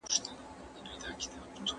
جګړه ییز چلند سیمه ناامنه کوي.